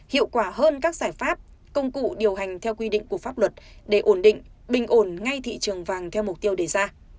hiệu quả hơn các giải pháp công cụ điều hành theo quy định của pháp luật để ổn định bình ổn ngay thị trường vàng theo mục tiêu đề ra